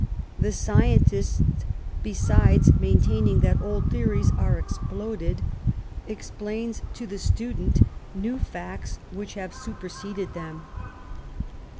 The scientist^ besides maintaining that old theories are exploded^ explains to the student new facts which have super ^ seded them.